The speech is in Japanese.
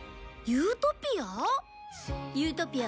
ユートピア？